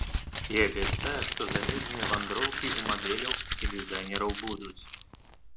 І абяцае, што замежныя вандроўкі ў мадэляў і дызайнераў будуць.